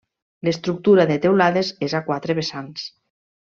L'estructura de teulades és a quatre vessants.